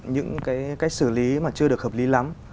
những cái cách xử lý mà chưa được hợp lý lắm